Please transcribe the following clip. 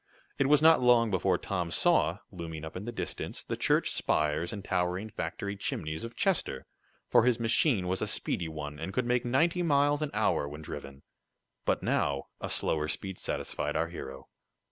It was not long before Tom saw, looming up in the distance the church spires and towering factory chimneys of Chester, for his machine was a speedy one, and could make ninety miles an hour when driven. But now a slower speed satisfied our hero.